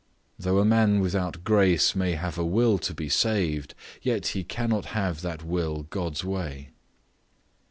Though a man without grace may have a will to be saved, yet he cannot have that will God's way.